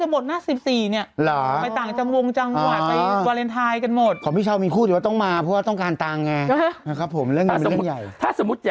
ไม่มีคู่แต่ว่าต้องมาหัวที่ไหนมากินข้าวล่ะ